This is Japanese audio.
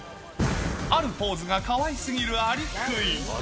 あるポーズがかわいすぎるアリクイ。